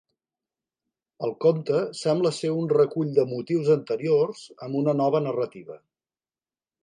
El conte sembla ser un recull de motius anteriors amb una nova narrativa.